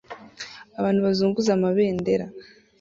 Abantu bazunguza amabendera